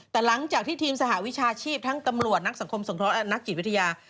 แต่หลังจากที่ทีมสหวิชาชีพทั้งตำรวจนักสังคมสงเคราะห์นักจิตวิทยา